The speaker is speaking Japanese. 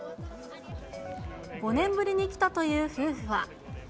５年ぶりに来たという夫婦は。